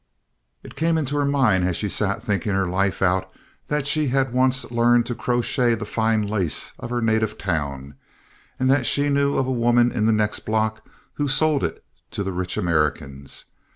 It came into her mind as she sat thinking her life out that she had once learned to crochet the fine lace of her native town, and that she knew of a woman in the next block who sold it to the rich Americans.